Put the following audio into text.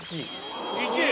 １位？